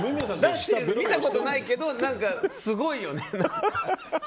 見たことないけど、すごいよね。